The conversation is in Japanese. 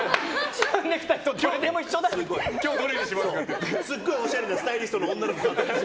白ネクタイすごいおしゃれなスタイリストの女の子が。